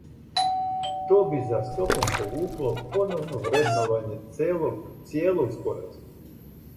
То би за собом повукло поновно вредновање цијелог споразума.